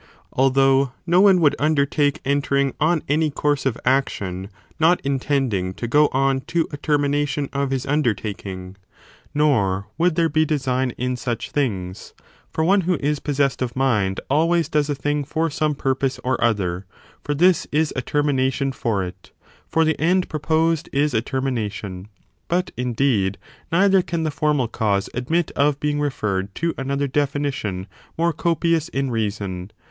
Although no one would imdertake entering on any course of action not intending to go on to a termination of his undertaking; nor would there be design in such things : for one who is possessed of mind always does a thing for some purpose or other, (for this is a termination for it,) for the end proposed is a termination. But, indeed, neither can the formal cause admit of being referred to another definition more copious in reason.